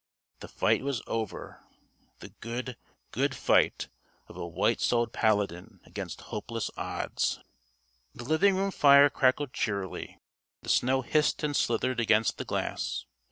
The fight was over the good, good fight of a white souled Paladin against hopeless odds. The living room fire crackled cheerily. The snow hissed and slithered against the glass.